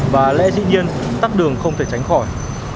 và lẽ dĩ nhiên tắc đường không thể tránh khỏi